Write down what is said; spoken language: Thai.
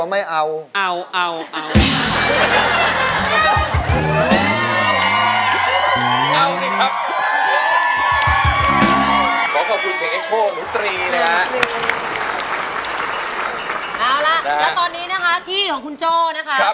เอาล่ะแล้วตอนนี้นะคะที่ของคุณโจ้นะคะ